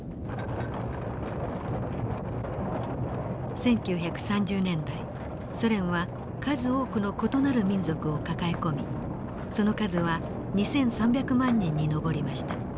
１９３０年代ソ連は数多くの異なる民族を抱え込みその数は２，３００万人に上りました。